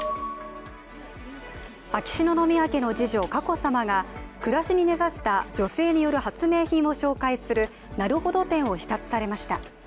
秋篠宮家の次女、佳子さまが暮らしに根ざした女性による発明品を紹介するなるほど展を視察されました。